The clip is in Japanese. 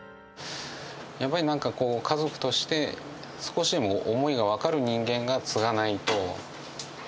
やっぱりなんかこう、家族として、少しでも思いが分かる人間が継がないと。